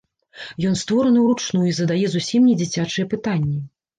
Ён створаны ўручную і задае зусім недзіцячыя пытанні.